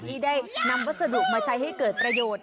ที่ได้นำวัสดุมาใช้ให้เกิดประโยชน์